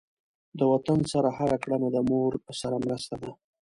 د وطن سره هر کړنه د مور سره مرسته ده.